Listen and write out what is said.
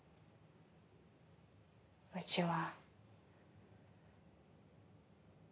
うちは。